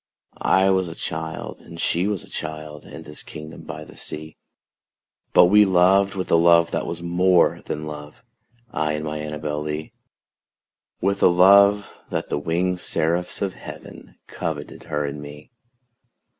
I was a child and she was a child, In this kingdom by the sea: But we loved with a love that was more than love I and my ANNABEL LEE; With a love that the winged seraphs of heaven Coveted her and me.